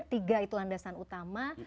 tiga itu landasan utama